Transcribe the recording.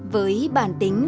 với bản tính